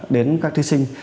đến các thí sinh